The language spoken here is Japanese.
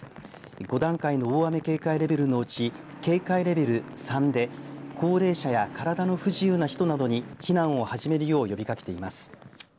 ５段階の大雨警戒レベルのうち警戒レベル３で高齢者や体の不自由な人などに避難を始めるよう呼びかけています。